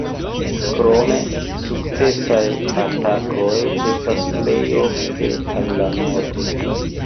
Krome, sukcesaj atakoj estas plej ofte al la nordo.